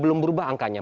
belum berubah angkanya